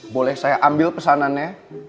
boleh saya ambil pesanannya